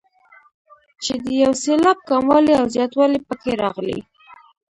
چې د یو سېلاب کموالی او زیاتوالی پکې راغلی.